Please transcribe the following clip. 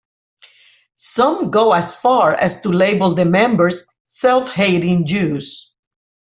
Some go as far as to label the members self-hating Jews.